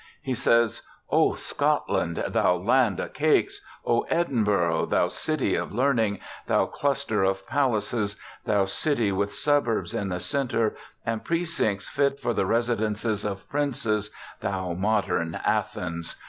He says, 'O Scotland! thou land o' cakes! O Edinburgh! thou city of learning, thou cluster of palaces, thou city with suburbs in the centre and precincts fit for the residences of princes, thou modern Athens!